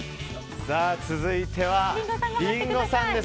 続いてはリンゴさんです。